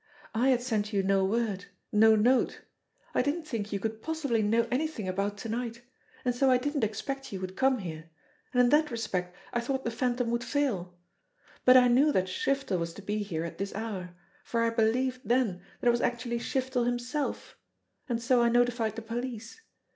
/ had sent you no word, no note. I didn't think you could possibly know any thing about to night ; and so I didn't expect you would come here, and in that respect I thought the Phantom would fail. But I knew that Shiftel was to be here at this hour for I believed then that it was actually Shiftel himself and so I notified the police.